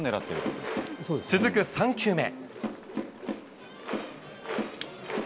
続く３球目。